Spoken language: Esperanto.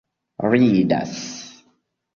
ridas